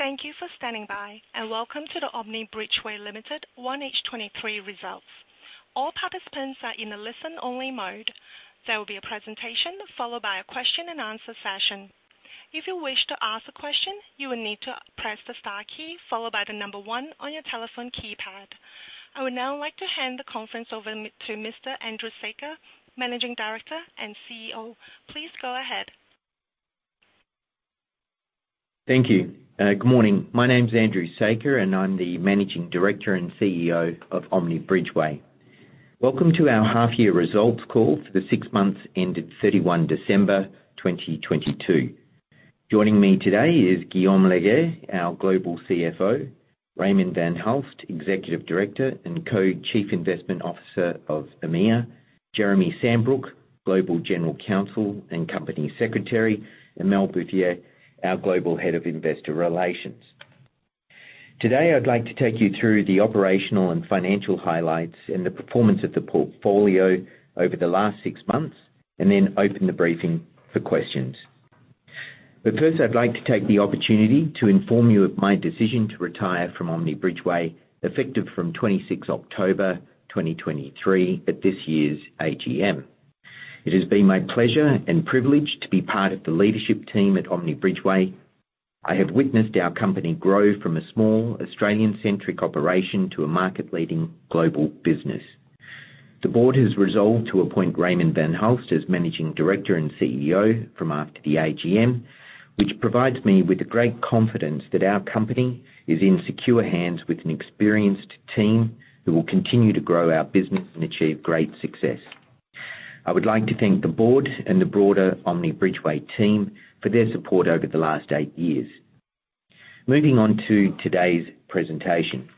Welcome to the Omni Bridgeway Limited 1H 2023 results. All participants are in a listen-only mode. There will be a presentation followed by a question-and-answer session. If you wish to ask a question, you will need to press the star key followed by the number one on your telephone keypad. I would now like to hand the conference over to Mr. Andrew Saker, Managing Director and CEO. Please go ahead. Thank you. Good morning. My name's Andrew Saker, and I'm the Managing Director and CEO of Omni Bridgeway. Welcome to our half year results call for the six months ended 31 December 2022. Joining me today is Guillaume Leger, our Global CFO. Raymond van Hulst, Executive Director and Co-chief Investment Officer of EMEA. Jeremy Sambrook, Global General Counsel and Company Secretary, and Mel Buffier, our Global Head of Investor Relations. Today, I'd like to take you through the operational and financial highlights and the performance of the portfolio over the last six months, and then open the briefing for questions. First, I'd like to take the opportunity to inform you of my decision to retire from Omni Bridgeway, effective from 26 October 2023 at this year's AGM. It has been my pleasure and privilege to be part of the leadership team at Omni Bridgeway. I have witnessed our company grow from a small Australian-centric operation to a market-leading global business. The board has resolved to appoint Raymond van Hulst as Managing Director and CEO from after the AGM, which provides me with great confidence that our company is in secure hands with an experienced team who will continue to grow our business and achieve great success. I would like to thank the board and the broader Omni Bridgeway team for their support over the last eight years. Moving on to today's presentation.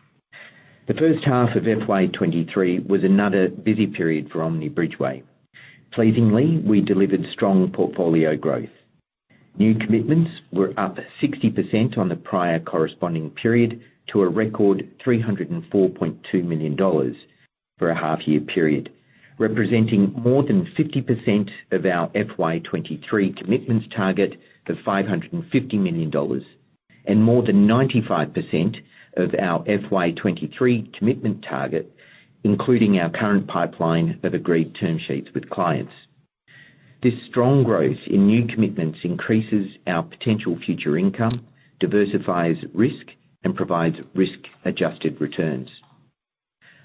The first half of FY 2023 was another busy period for Omni Bridgeway. Pleasingly, we delivered strong portfolio growth. New commitments were up 60% on the prior corresponding period to a record $304.2 million for a half year period, representing more than 50% of our FY 2023 commitments target of $550 million, and more than 95% of our FY 2023 commitment target, including our current pipeline of agreed term sheets with clients. This strong growth in new commitments increases our potential future income, diversifies risk, and provides risk-adjusted returns.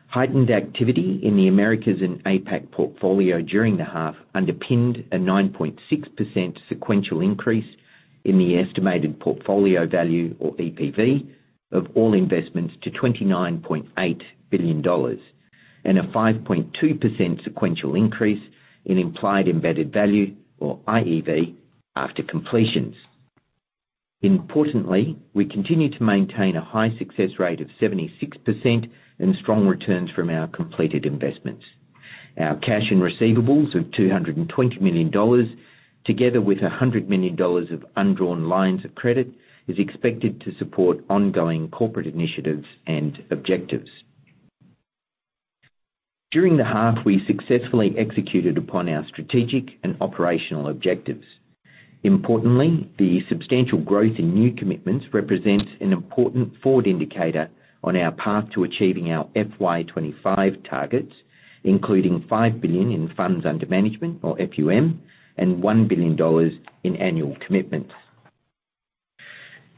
Heightened activity in the Americas and APAC portfolio during the half underpinned a 9.6% sequential increase in the estimated portfolio value or EPV of all investments to $29.8 billion, and a 5.2% sequential increase in implied embedded value, or IEV, after completions. Importantly, we continue to maintain a high success rate of 76% and strong returns from our completed investments. Our cash and receivables of $220 million, together with $100 million of undrawn lines of credit, is expected to support ongoing corporate initiatives and objectives. During the half, we successfully executed upon our strategic and operational objectives. Importantly, the substantial growth in new commitments represents an important forward indicator on our path to achieving our FY 2025 targets, including $5 billion in funds under management or FUM, $1 billion in annual commitments.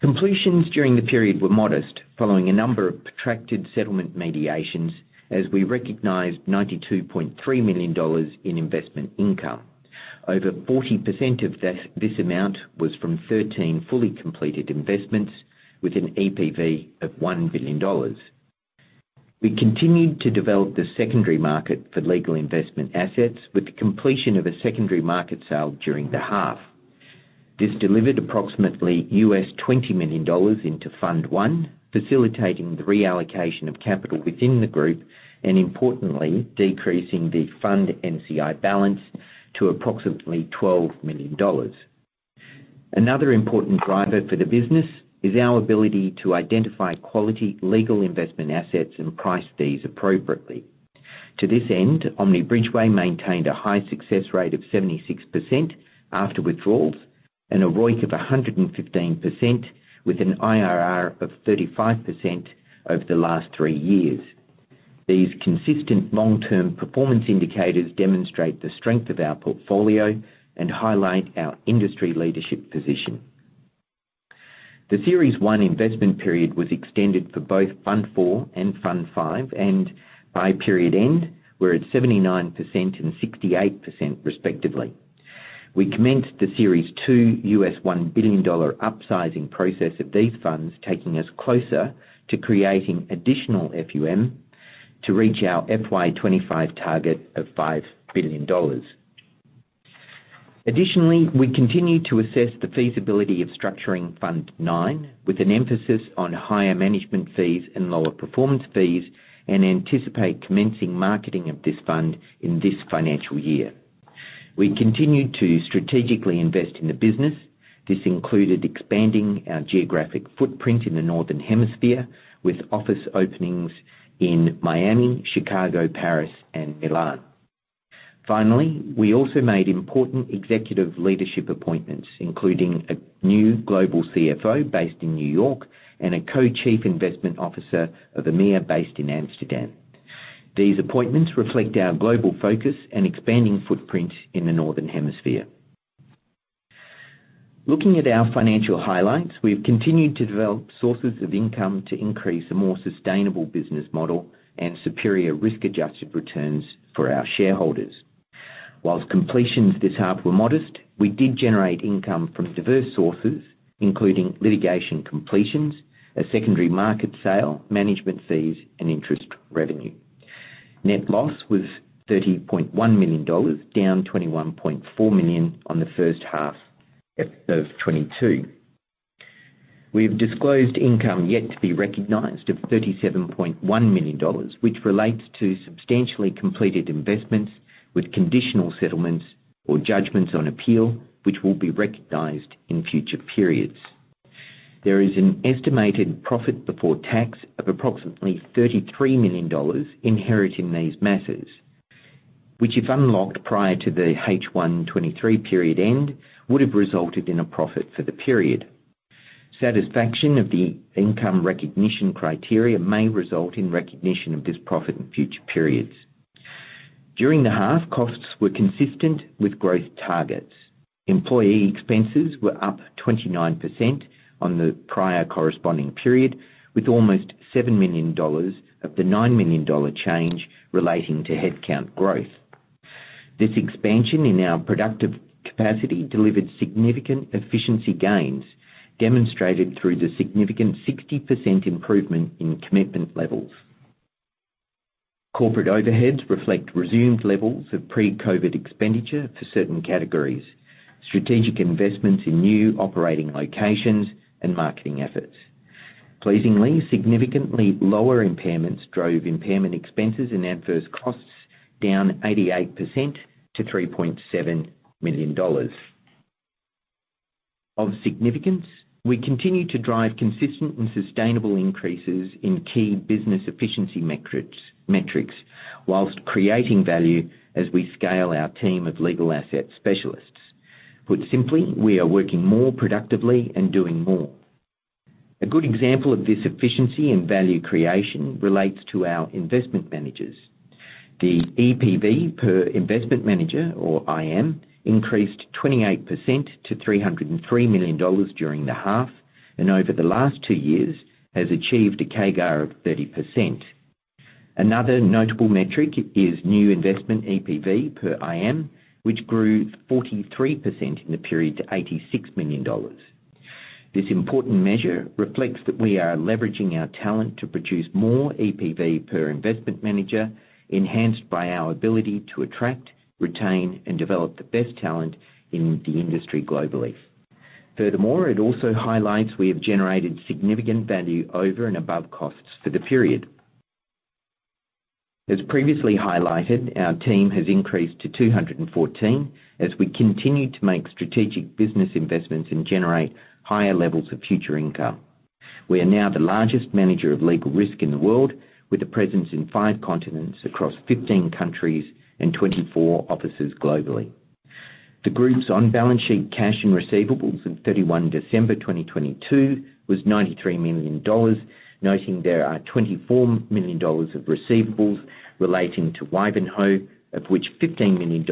Completions during the period were modest, following a number of protracted settlement mediations as we recognized $92.3 million in investment income. Over 40% of this amount was from 13 fully completed investments with an EPV of $1 billion. We continued to develop the secondary market for legal investment assets with the completion of a secondary market sale during the half. This delivered approximately $20 million into Fund 1, facilitating the reallocation of capital within the group and importantly decreasing the fund NCI balance to approximately $12 million. Another important driver for the business is our ability to identify quality legal investment assets and price these appropriately. To this end, Omni Bridgeway maintained a high success rate of 76% after withdrawals and a ROI of 115% with an IRR of 35% over the last three years. These consistent long-term performance indicators demonstrate the strength of our portfolio and highlight our industry leadership position. The Series I investment period was extended for both Fund 4 and Fund 5, and by period end, we're at 79% and 68%, respectively. We commenced the Series II $1 billion upsizing process of these funds, taking us closer to creating additional FUM to reach our FY 2025 target of $5 billion. We continue to assess the feasibility of structuring Fund 9 with an emphasis on higher management fees and lower performance fees, and anticipate commencing marketing of this fund in this financial year. We continue to strategically invest in the business. This included expanding our geographic footprint in the Northern Hemisphere with office openings in Miami, Chicago, Paris, and Milan. Finally, we also made important executive leadership appointments, including a new global CFO based in New York and a co-chief investment officer of EMEA based in Amsterdam. These appointments reflect our global focus and expanding footprint in the Northern Hemisphere. Looking at our financial highlights, we have continued to develop sources of income to increase a more sustainable business model and superior risk-adjusted returns for our shareholders. Whilst completions this half were modest, we did generate income from diverse sources, including litigation completions, a secondary market sale, management fees, and interest revenue. Net loss was $30.1 million, down $21.4 million on the first half of 2022. We have disclosed income yet to be recognized of $37.1 million, which relates to substantially completed investments with conditional settlements or judgments on appeal, which will be recognized in future periods. There is an estimated profit before tax of approximately $33 million inherent in these matters, which if unlocked prior to the H1 2023 period end, would have resulted in a profit for the period. Satisfaction of the income recognition criteria may result in recognition of this profit in future periods. During the half, costs were consistent with growth targets. Employee expenses were up 29% on the prior corresponding period, with almost $7 million of the $9 million change relating to headcount growth. This expansion in our productive capacity delivered significant efficiency gains, demonstrated through the significant 60% improvement in commitment levels. Corporate overheads reflect resumed levels of pre-COVID expenditure for certain categories, strategic investments in new operating locations, and marketing efforts. Pleasingly, significantly lower impairments drove impairment expenses and adverse costs down 88% to $3.7 million. Of significance, we continue to drive consistent and sustainable increases in key business efficiency metrics whilst creating value as we scale our team of legal asset specialists. Put simply, we are working more productively and doing more. A good example of this efficiency and value creation relates to our investment managers. The EPV per investment manager, or IM, increased 28% to $303 million during the half, and over the last two years has achieved a CAGR of 30%. Another notable metric is new investment EPV per IM, which grew 43% in the period to $86 million. This important measure reflects that we are leveraging our talent to produce more EPV per investment manager, enhanced by our ability to attract, retain, and develop the best talent in the industry globally. It also highlights we have generated significant value over and above costs for the period. As previously highlighted, our team has increased to 214 as we continue to make strategic business investments and generate higher levels of future income. We are now the largest manager of legal risk in the world, with a presence in five continents across 15 countries and 24 offices globally. The Group's on-balance sheet cash and receivables at 31 December 2022 was $93 million, noting there are $24 million of receivables relating to Wivenhoe, of which $15 million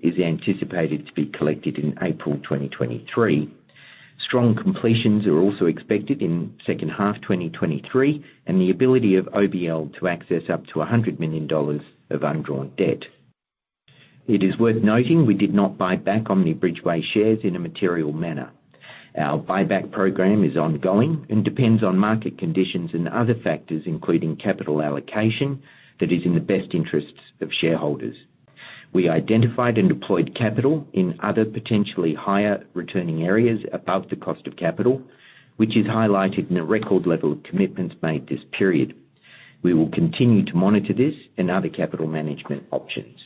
is anticipated to be collected in April 2023. Strong completions are also expected in second half 2023, and the ability of OBL to access up to $100 million of undrawn debt. It is worth noting we did not buy back Omni Bridgeway shares in a material manner. Our buyback program is ongoing and depends on market conditions and other factors, including capital allocation that is in the best interests of shareholders. We identified and deployed capital in other potentially higher returning areas above the cost of capital, which is highlighted in the record level of commitments made this period. We will continue to monitor this and other capital management options.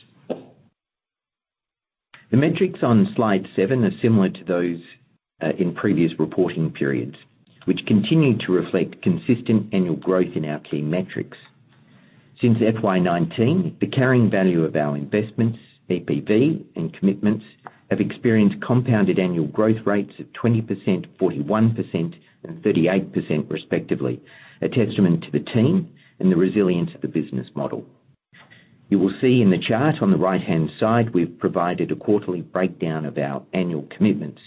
The metrics on slide seven are similar to those in previous reporting periods, which continue to reflect consistent annual growth in our key metrics. Since FY 2019, the carrying value of our investments, EPV, and commitments have experienced compounded annual growth rates of 20%, 41%, and 38% respectively, a testament to the team and the resilience of the business model. You will see in the chart on the right-hand side, we've provided a quarterly breakdown of our annual commitments.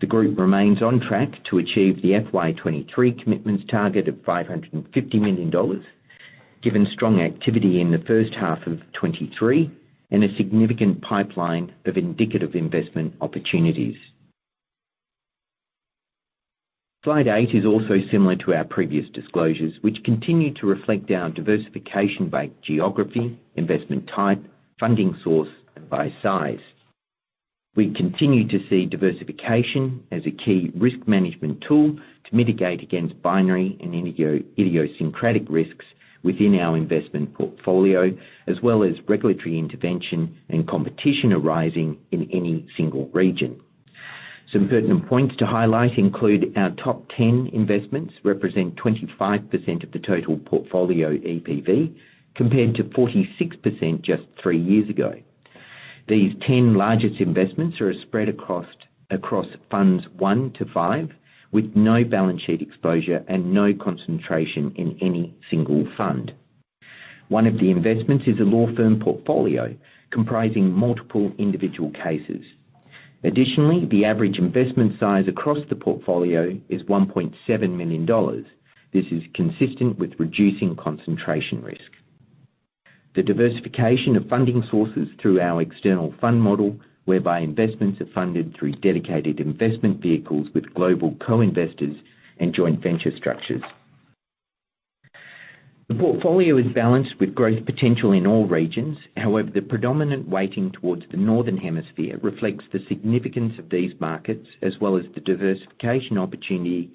The group remains on track to achieve the FY 2023 commitments target of $550 million, given strong activity in the first half of 2023 and a significant pipeline of indicative investment opportunities. Slide eight is also similar to our previous disclosures, which continue to reflect our diversification by geography, investment type, funding source, and by size. We continue to see diversification as a key risk management tool to mitigate against binary and idiosyncratic risks within our investment portfolio, as well as regulatory intervention and competition arising in any single region. Some pertinent points to highlight include our top 10 investments represent 25% of the total portfolio EPV, compared to 46% just three years ago. These 10 largest investments are spread across Funds 1-5, with no balance sheet exposure and no concentration in any single fund. One of the investments is a law firm portfolio comprising multiple individual cases. Additionally, the average investment size across the portfolio is $1.7 million. This is consistent with reducing concentration risk. The diversification of funding sources through our external fund model, whereby investments are funded through dedicated investment vehicles with global co-investors and joint venture structures. The portfolio is balanced with growth potential in all regions. The predominant weighting towards the Northern Hemisphere reflects the significance of these markets as well as the diversification opportunity,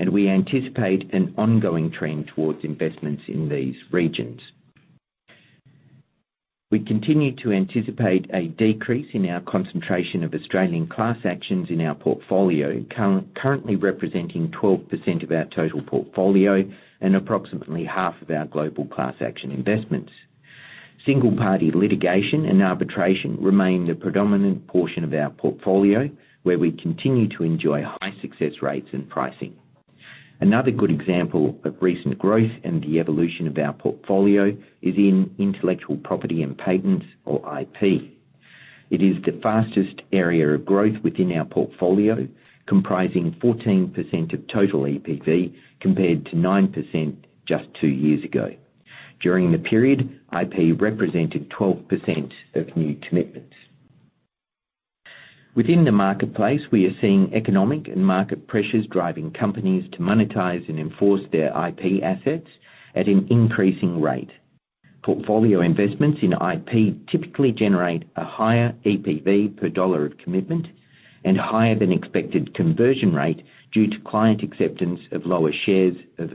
and we anticipate an ongoing trend towards investments in these regions. We continue to anticipate a decrease in our concentration of Australian class actions in our portfolio, currently representing 12% of our total portfolio and approximately half of our global class action investments. Single-party litigation and arbitration remain the predominant portion of our portfolio, where we continue to enjoy high success rates and pricing. Another good example of recent growth and the evolution of our portfolio is in intellectual property and patents, or IP. It is the fastest area of growth within our portfolio, comprising 14% of total EPV, compared to 9% just two years ago. During the period, IP represented 12% of new commitments. Within the marketplace, we are seeing economic and market pressures driving companies to monetize and enforce their IP assets at an increasing rate. Portfolio investments in IP typically generate a higher EPV per dollar of commitment and higher than expected conversion rate due to client acceptance of lower shares of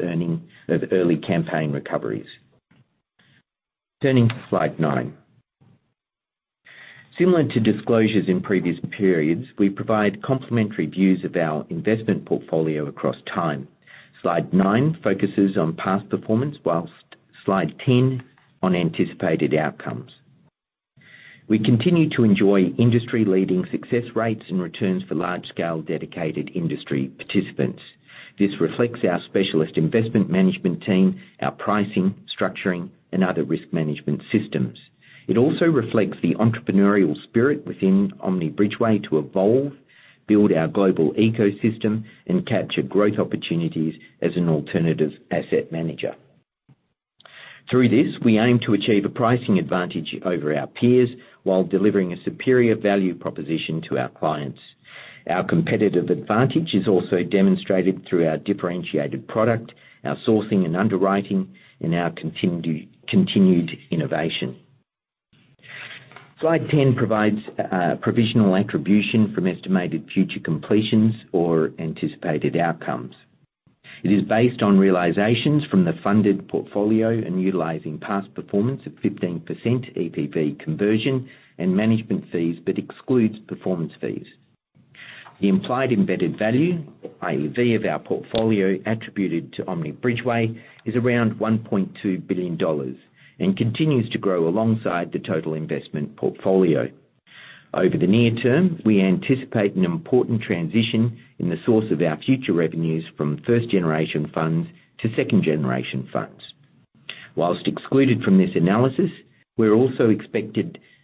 early campaign recoveries. Turning to slide nine. Similar to disclosures in previous periods, we provide complementary views of our investment portfolio across time. Slide nine focuses on past performance, while slide 10 on anticipated outcomes. We continue to enjoy industry-leading success rates and returns for large-scale dedicated industry participants. This reflects our specialist investment management team, our pricing, structuring, and other risk management systems. It also reflects the entrepreneurial spirit within Omni Bridgeway to evolve, build our global ecosystem, and capture growth opportunities as an alternative asset manager. Through this, we aim to achieve a pricing advantage over our peers while delivering a superior value proposition to our clients. Our competitive advantage is also demonstrated through our differentiated product, our sourcing and underwriting, and our continued innovation. Slide 10 provides provisional attribution from estimated future completions or anticipated outcomes. It is based on realizations from the funded portfolio and utilizing past performance of 15% EPV conversion and management fees, but excludes performance fees. The implied embedded value, or IEV, of our portfolio attributed to Omni Bridgeway is around $1.2 billion and continues to grow alongside the total investment portfolio. Over the near term, we anticipate an important transition in the source of our future revenues from first generation funds to second generation funds. Whilst excluded from this analysis, we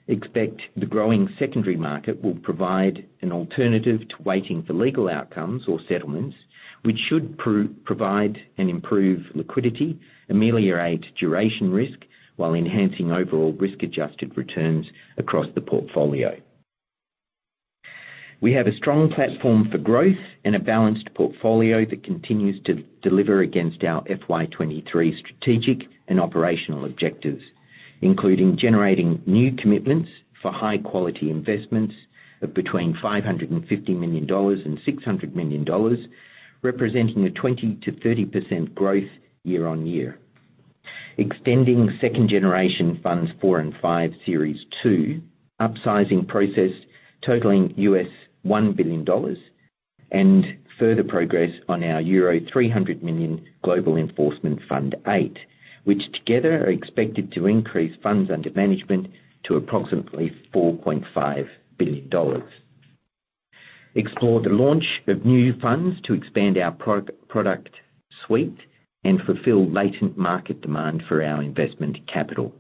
expect the growing secondary market will provide an alternative to waiting for legal outcomes or settlements, which should provide and improve liquidity, ameliorate duration risk, while enhancing overall risk-adjusted returns across the portfolio. We have a strong platform for growth and a balanced portfolio that continues to deliver against our FY 2023 strategic and operational objectives, including generating new commitments for high-quality investments of between $550 million and $600 million, representing a 20%-30% growth year-on-year. Extending second generation Fund 4 and Fund 5, Series II, upsizing process totaling $1 billion, and further progress on our euro 300 million global enforcement Fund 8, which together are expected to increase funds under management to approximately $4.5 billion. Explore the launch of new funds to expand our product suite and fulfill latent market demand for our investment capital.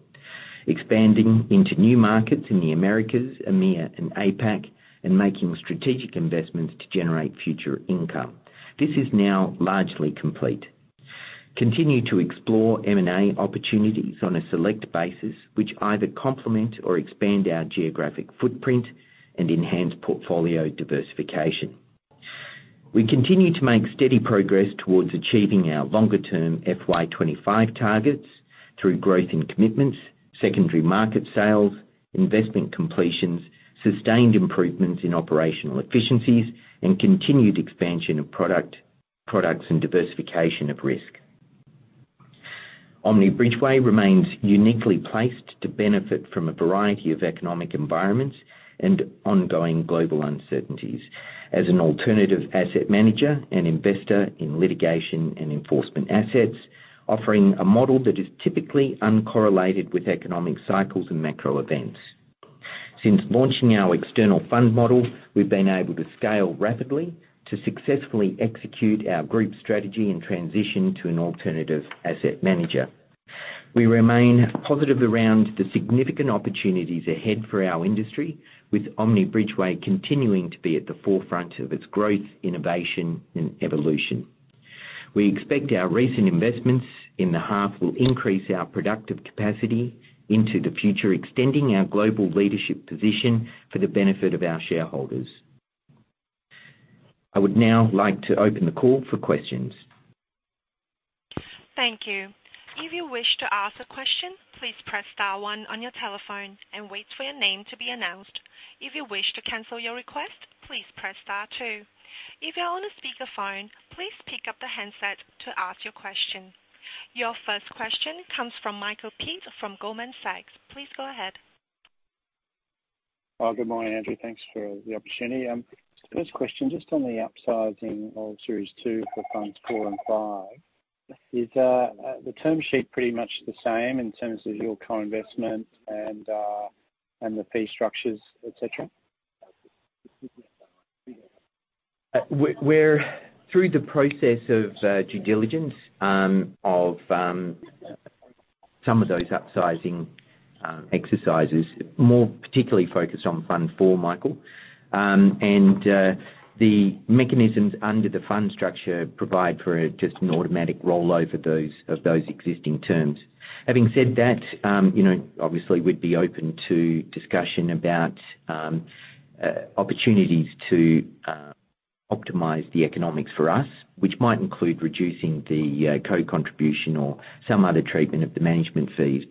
Expanding into new markets in the Americas, EMEA, and APAC, and making strategic investments to generate future income. This is now largely complete. Continue to explore M&A opportunities on a select basis, which either complement or expand our geographic footprint and enhance portfolio diversification. We continue to make steady progress towards achieving our longer-term FY 2025 targets through growth in commitments, secondary market sales, investment completions, sustained improvements in operational efficiencies, and continued expansion of products and diversification of risk. Omni Bridgeway remains uniquely placed to benefit from a variety of economic environments and ongoing global uncertainties as an alternative asset manager and investor in litigation and enforcement assets, offering a model that is typically uncorrelated with economic cycles and macro events. Since launching our external fund model, we've been able to scale rapidly to successfully execute our group strategy and transition to an alternative asset manager. We remain positive around the significant opportunities ahead for our industry, with Omni Bridgeway continuing to be at the forefront of its growth, innovation and evolution. We expect our recent investments in the half will increase our productive capacity into the future, extending our global leadership position for the benefit of our shareholders. I would now like to open the call for questions. Thank you. If you wish to ask a question, please press star one on your telephone and wait for your name to be announced. If you wish to cancel your request, please press star two. If you're on a speakerphone, please pick up the handset to ask your question. Your first question comes from Michael Peet from Goldman Sachs. Please go ahead. Good morning, Andrew. Thanks for the opportunity. First question, just on the upsizing of Series II for Fund 4 and Fund 5. Is the term sheet pretty much the same in terms of your co-investment and the fee structures, et cetera? We're through the process of due diligence of some of those upsizing exercises, more particularly focused on Fund 4, Michael. The mechanisms under the fund structure provide for just an automatic rollover those, of those existing terms. Having said that, you know, obviously we'd be open to discussion about opportunities to optimize the economics for us, which might include reducing the co-contribution or some other treatment of the management fees.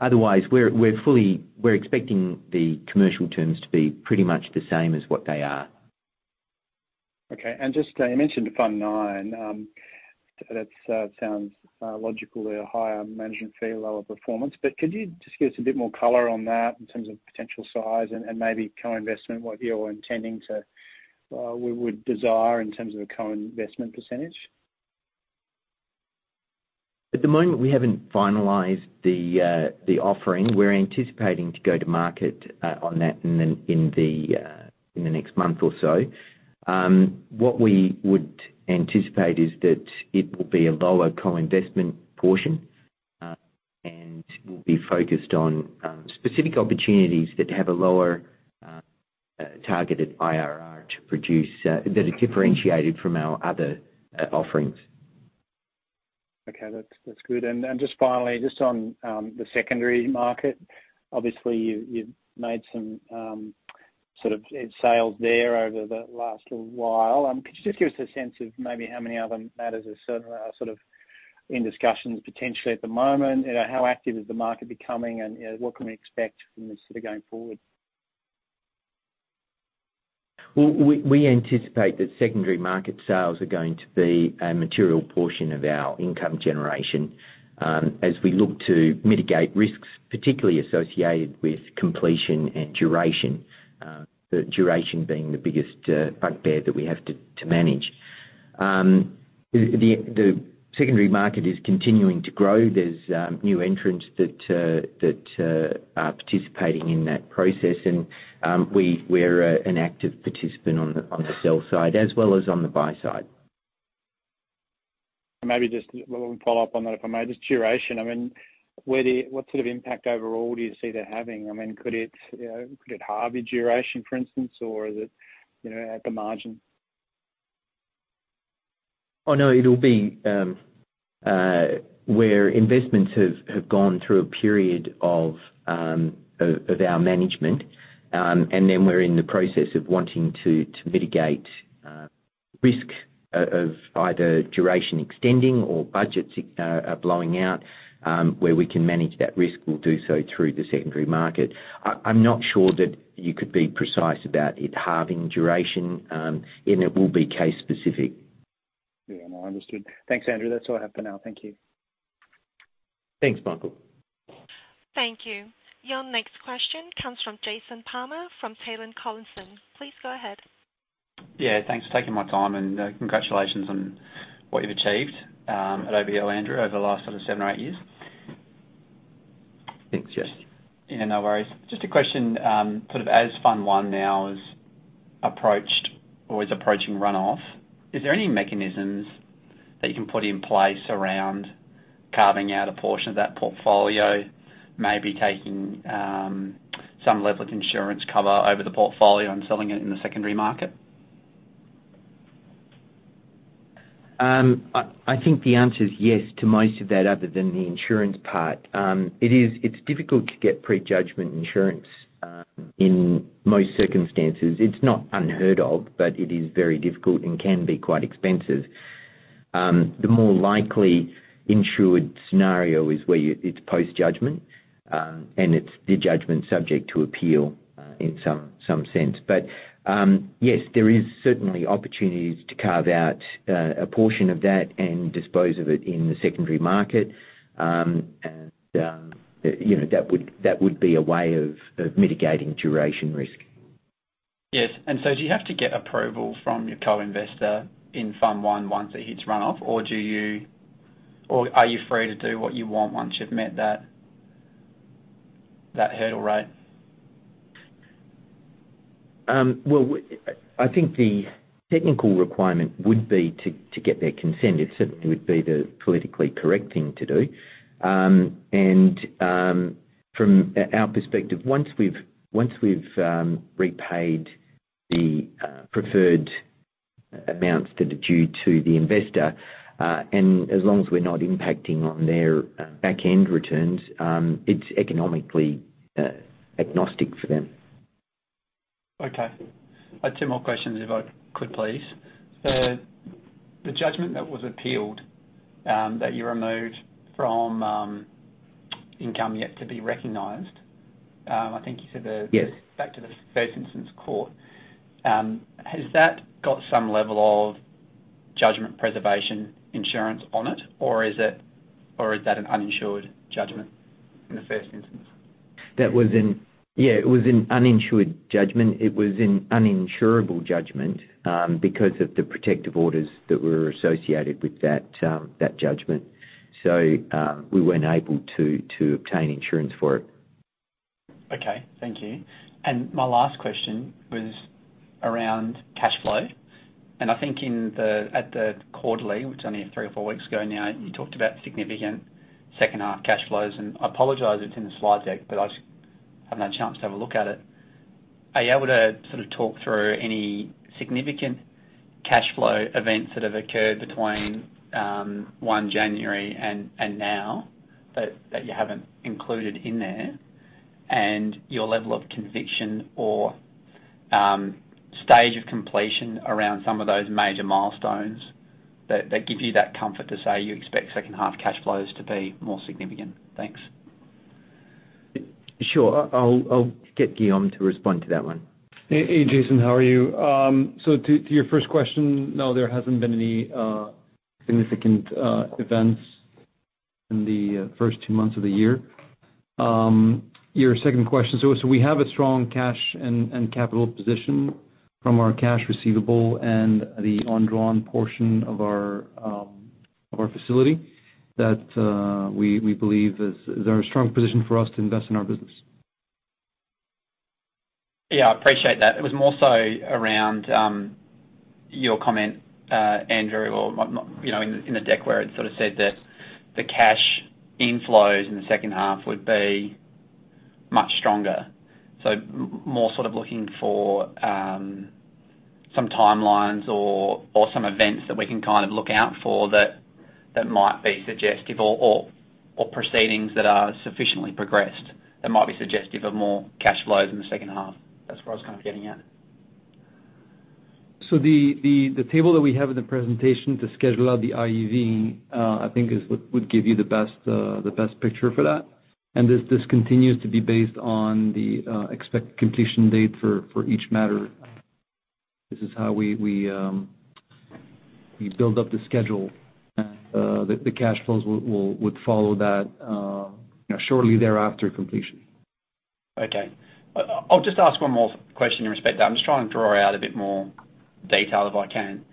Otherwise, we're fully... We're expecting the commercial terms to be pretty much the same as what they are. Okay. Just you mentioned Fund 9. That's sounds logical, a higher management fee, lower performance. Could you just give us a bit more color on that in terms of potential size and maybe co-investment, what you're intending to would desire in terms of a co-investment percentage? At the moment, we haven't finalized the offering. We're anticipating to go to market on that in the next month or so. What we would anticipate is that it will be a lower co-investment portion and will be focused on specific opportunities that have a lower targeted IRR to produce that are differentiated from our other offerings. Okay. That's good. Just finally, just on the secondary market. Obviously, you've made some sort of sales there over the last little while. Could you just give us a sense of maybe how many of them matters are sort of in discussions potentially at the moment? You know, how active is the market becoming and, you know, what can we expect from this sort of going forward? Well, we anticipate that secondary market sales are going to be a material portion of our income generation, as we look to mitigate risks, particularly associated with completion and duration, the duration being the biggest bugbear that we have to manage. The secondary market is continuing to grow. There's new entrants that are participating in that process and we're an active participant on the sell side as well as on the buy side. Maybe Well, I'll follow up on that, if I may. Just duration, I mean, what sort of impact overall do you see that having? I mean, could it, you know, could it halve a duration, for instance, or is it, you know, at the margin? Oh, no, it'll be where investments have gone through a period of our management, and then we're in the process of wanting to mitigate risk of either duration extending or budgets blowing out, where we can manage that risk, we'll do so through the secondary market. I'm not sure that you could be precise about it halving duration, and it will be case specific. Yeah. No, understood. Thanks, Andrew. That's all I have for now. Thank you. Thanks, Michael. Thank you. Your next question comes from Jason Palmer from Taylor Collison. Please go ahead. Yeah, thanks for taking my time, and, congratulations on what you've achieved, at OBL, Andrew, over the last sort of seven or eight years. Thanks, Jason. No worries. Just a question, sort of as Fund 1 now is approached or is approaching runoff, is there any mechanisms that you can put in place around carving out a portion of that portfolio, maybe taking, some level of insurance cover over the portfolio and selling it in the secondary market? I think the answer is yes to most of that other than the insurance part. It's difficult to get pre-judgment insurance in most circumstances. It's not unheard of, but it is very difficult and can be quite expensive. The more likely insured scenario is where it's post-judgment, it's the judgment subject to appeal. In some sense. Yes, there is certainly opportunities to carve out a portion of that and dispose of it in the secondary market. You know, that would be a way of mitigating duration risk. Yes. Do you have to get approval from your co-investor in Fund 1 once it hits run off? Or are you free to do what you want once you've met that hurdle rate? Well, I think the technical requirement would be to get their consent. It certainly would be the politically correct thing to do. From our perspective, once we've repaid the preferred amounts that are due to the investor, and as long as we're not impacting on their back-end returns, it's economically agnostic for them. Okay. I have two more questions if I could, please. The judgment that was appealed, that you removed from, income yet to be recognized, I think you said. Yes. back to the first instance court. Has that got some level of judgment preservation insurance on it, or is that an uninsured judgment in the first instance? Yeah, it was an uninsured judgment. It was an uninsurable judgment because of the protective orders that were associated with that judgment. We weren't able to obtain insurance for it. Okay. Thank you. My last question was around cash flow. I think at the quarterly, which only three or four weeks ago now, you talked about significant second half cash flows, and I apologize if it's in the slide deck, but I just have no chance to have a look at it. Are you able to sort of talk through any significant cash flow events that have occurred between 1 January and now that you haven't included in there, and your level of conviction or stage of completion around some of those major milestones that give you that comfort to say you expect second half cash flows to be more significant? Thanks. Sure. I'll get Guillaume to respond to that one. Hey, hey, Jason. How are you? To your first question, no, there hasn't been any significant events in the first two months of the year. Your second question. We have a strong cash and capital position from our cash receivable and the undrawn portion of our facility that we believe is a strong position for us to invest in our business. Yeah, I appreciate that. It was more so around your comment, Andrew, or not, you know, in the deck where it sort of said that the cash inflows in the second half would be much stronger. More sort of looking for some timelines or some events that we can kind of look out for that might be suggestive or proceedings that are sufficiently progressed that might be suggestive of more cash flows in the second half. That's where I was kind of getting at. The table that we have in the presentation to schedule out the IEV, I think is what would give you the best picture for that. This continues to be based on the expect completion date for each matter. This is how we build up the schedule. The cash flows would follow that, you know, shortly thereafter completion. Okay. I'll just ask one more question in respect. I'm just trying to draw out a bit more detail if I can.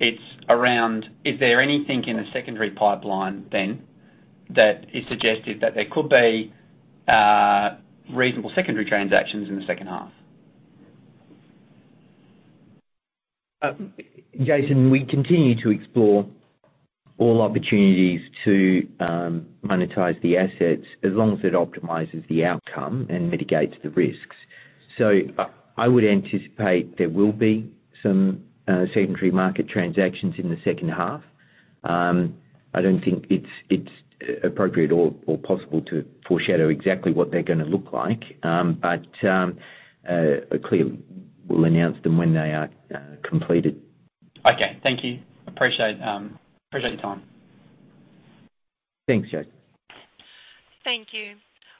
It's around, is there anything in the secondary pipeline then that is suggestive that there could be reasonable secondary transactions in the second half? Jason, we continue to explore all opportunities to monetize the assets as long as it optimizes the outcome and mitigates the risks. I would anticipate there will be some secondary market transactions in the second half. I don't think it's appropriate or possible to foreshadow exactly what they're gonna look like. Clearly we'll announce them when they are completed. Okay. Thank you. Appreciate, appreciate your time. Thanks, Jason. Thank you.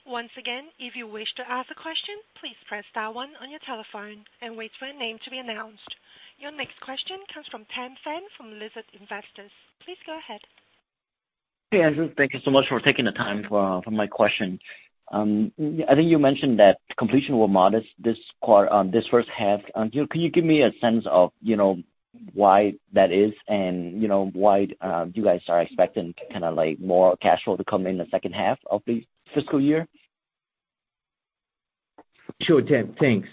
Once again, if you wish to ask a question, please press star one on your telephone and wait for your name to be announced. Your next question comes from Tam Phan from Lizard Investors. Please go ahead. Hey, Andrew. Thank you so much for taking the time for my question. I think you mentioned that completion were modest this first half. Can you give me a sense of, you know, why that is and, you know, why you guys are expecting kinda like more cash flow to come in the second half of the fiscal year? Sure, Tam. Thanks.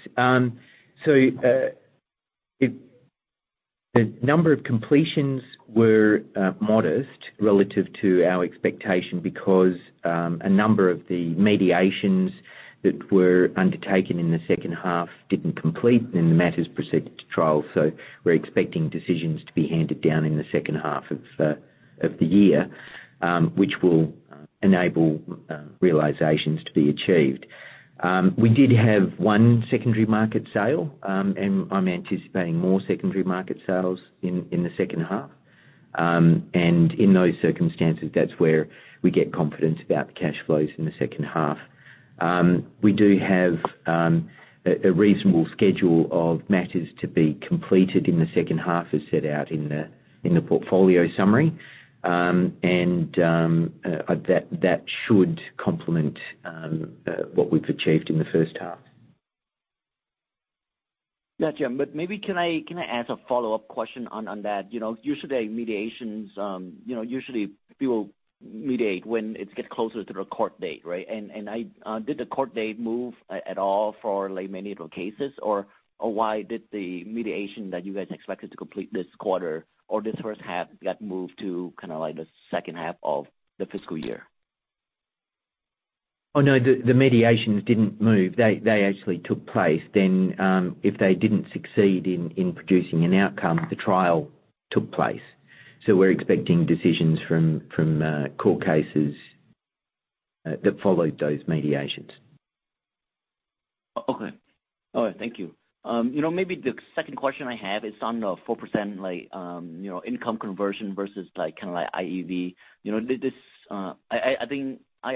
The number of completions were modest relative to our expectation because a number of the mediations that were undertaken in the second half didn't complete and the matters proceeded to trial. We're expecting decisions to be handed down in the second half of the year, which will enable realizations to be achieved. We did have one secondary market sale, and I'm anticipating more secondary market sales in the second half. In those circumstances, that's where we get confidence about the cash flows in the second half. We do have a reasonable schedule of matters to be completed in the second half, as set out in the portfolio summary. That should complement what we've achieved in the first half. Yeah, sure. Maybe can I ask a follow-up question on that? You know, usually mediations, you know, usually people mediate when it's getting closer to the court date, right? I, did the court date move at all for like many of the cases or why did the mediation that you guys expected to complete this quarter or this first half get moved to kinda like the second half of the fiscal year? Oh, no, the mediations didn't move. They actually took place. If they didn't succeed in producing an outcome, the trial took place. We're expecting decisions from court cases that followed those mediations. Okay. All right. Thank you. You know, maybe the second question I have is on the 4% like, you know, income conversion versus like kinda like IEV. You know, I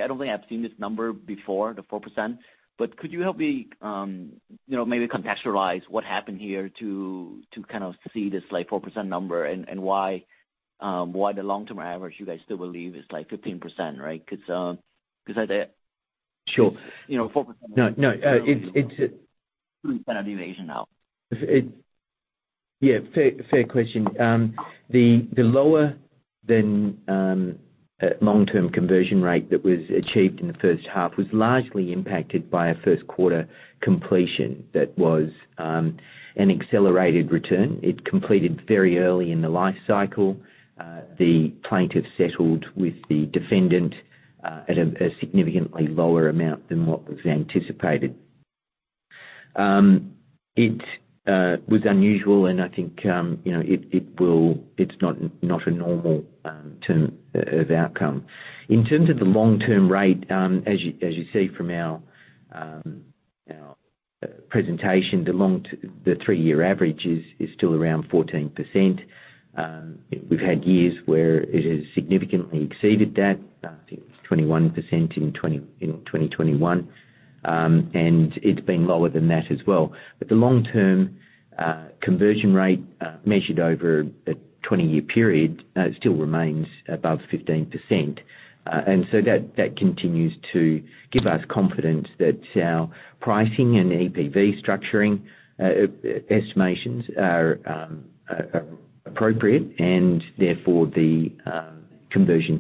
don't think I've seen this number before, the 4%, but could you help me, you know, maybe contextualize what happened here to kind of see this like 4% number and why the long-term average you guys still believe is like 15%, right? 'Cause I did. Sure. You know, 4%. No, no. deviation now. Yeah, fair question. The lower than long-term conversion rate that was achieved in the first half was largely impacted by a first quarter completion that was an accelerated return. It completed very early in the life cycle. The plaintiff settled with the defendant at a significantly lower amount than what was anticipated. It was unusual, and I think, you know, it's not a normal term of outcome. In terms of the long-term rate, as you see from our presentation, the three-year average is still around 14%. We've had years where it has significantly exceeded that, I think it's 21% in 2021, and it's been lower than that as well. The long-term conversion rate measured over a 20-year period still remains above 15%. That continues to give us confidence that our pricing and APV structuring estimations are appropriate, and therefore the conversion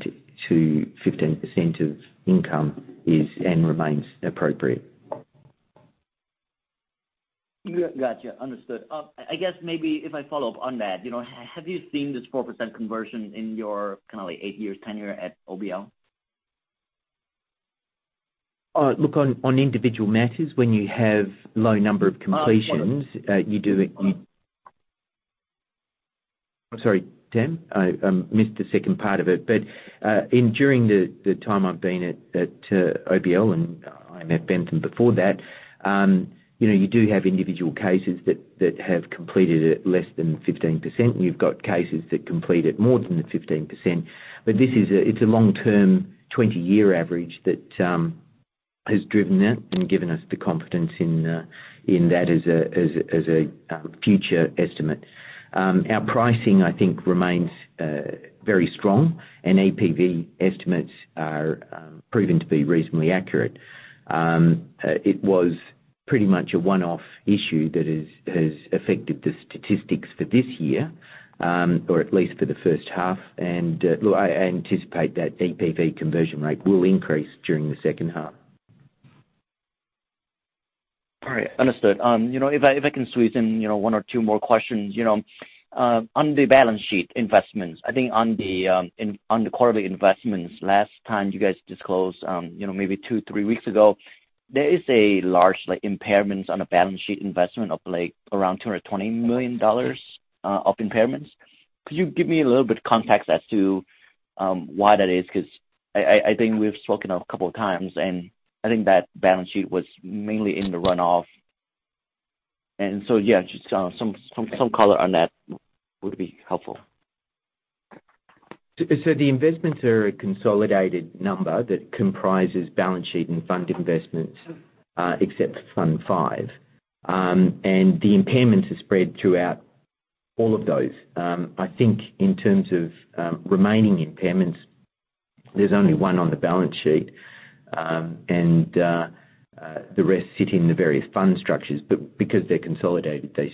to 15% of income is and remains appropriate. Yeah. Gotcha. Understood. I guess maybe if I follow up on that, you know, have you seen this 4% conversion in your kinda like eight years tenure at OBL? Look, on individual matters, when you have low number of completions, I'm sorry, Tim. I missed the second part of it. During the time I've been at OBL, and I'm at Bentham before that, you know, you do have individual cases that have completed at less than 15%, and you've got cases that completed more than the 15%. It's a long-term, 20-year average that has driven that and given us the confidence in that as a future estimate. Our pricing, I think, remains very strong, and APV estimates are proven to be reasonably accurate. It was pretty much a one-off issue that has affected the statistics for this year, or at least for the first half. Look, I anticipate that APV conversion rate will increase during the second half. All right. Understood. You know, if I, if I can squeeze in, you know, one or two more questions. You know, on the balance sheet investments, I think on the quarterly investments, last time you guys disclosed, you know, maybe two, three weeks ago, there is a large like impairments on the balance sheet investment of like around $220 million of impairments. Could you give me a little bit context as to why that is? 'Cause I think we've spoken a couple of times, I think that balance sheet was mainly in the runoff. Yeah, just some color on that would be helpful. The investments are a consolidated number that comprises balance sheet and fund investments, except Fund V. The impairments are spread throughout all of those. I think in terms of remaining impairments, there's only one on the balance sheet, and the rest sit in the various fund structures. Because they're consolidated, they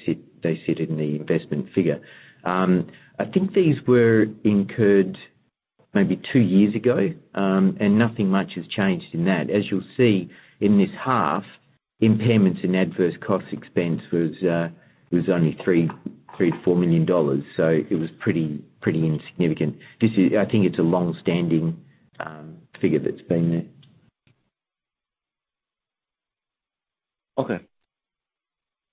sit in the investment figure. I think these were incurred maybe two years ago, and nothing much has changed in that. As you'll see in this half, impairments and adverse cost expense was only $3 million-$4 million, so it was pretty insignificant. I think it's a long-standing figure that's been there. Okay.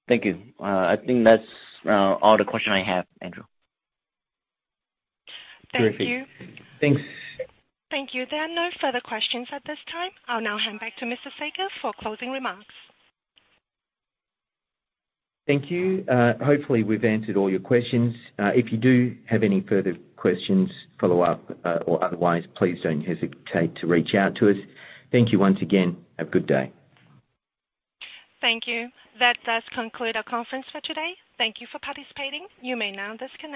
Thank you. I think that's all the question I have, Andrew. Terrific. Thank you. Thanks. Thank you. There are no further questions at this time. I'll now hand back to Mr. Saker for closing remarks. Thank you. Hopefully, we've answered all your questions. If you do have any further questions, follow-up, or otherwise, please don't hesitate to reach out to us. Thank you once again. Have a good day. Thank you. That does conclude our conference for today. Thank you for participating. You may now disconnect.